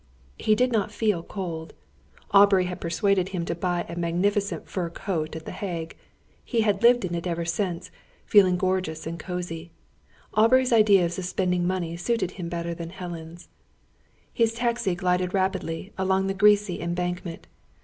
He did not feel cold. Aubrey had persuaded him to buy a magnificent fur coat at the Hague. He had lived in it ever since, feeling gorgeous and cosy. Aubrey's ideas of spending money suited him better than Helen's. His taxi glided rapidly along the greasy Embankment.